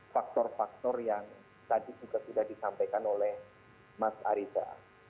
faktor faktor yang tadi sudah disampaikan oleh mas arissa